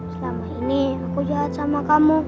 selama ini aku jahat sama kamu